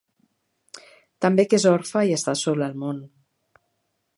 També que és orfe i està sola al món.